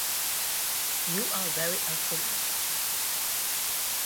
You are very ugly!